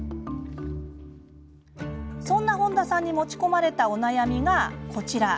そんな本田さんに持ち込まれたお悩みがこちら。